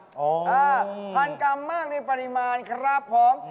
อ๋อพันกรัมมากในปริมาณครับของ